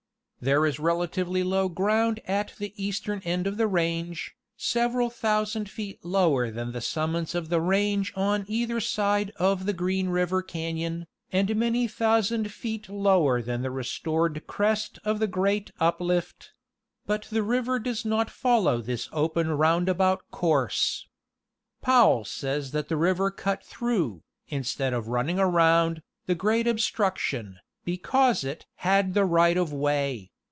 There is relatively low ground at the eastern end of the range, several thousand feet lower than the summits of the range on either side of the Green river cafion, and many thousand feet lower than the restored crest of the great uplift ; but the river does not follow this open round about course. Powell says that the river cut through, instead of running around, the great ob struction, because it "had the right of way